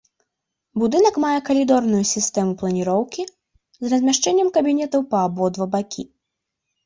Будынак мае калідорную сістэму планіроўкі з размяшчэннем кабінетаў па абодва бакі.